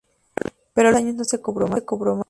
Pero a los pocos años no se cobró más.